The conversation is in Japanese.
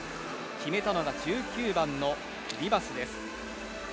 決めたのが１９番のリバスです。